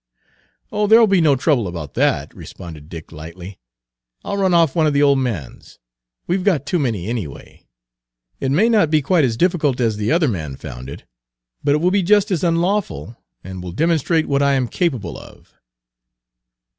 "Oh, there'll be no trouble about that," responded Dick lightly; "I'll run off one of the old man's; we 've got too many anyway. It may not be quite as difficult as the other man found it, but it will be just as unlawful, and will demonstrate what I am capable of."